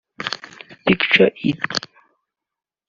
Picture it